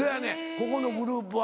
ここのグループは。